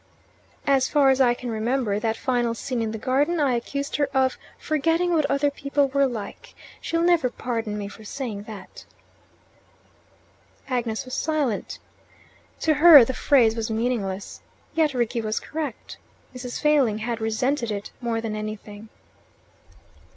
"As far as I can remember that final scene in the garden, I accused her of 'forgetting what other people were like.' She'll never pardon me for saying that." Agnes was silent. To her the phrase was meaningless. Yet Rickie was correct: Mrs. Failing had resented it more than anything.